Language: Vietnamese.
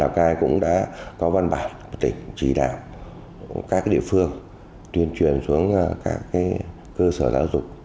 lào cai cũng đã có văn bản tỉnh chỉ đạo các địa phương tuyên truyền xuống các cơ sở giáo dục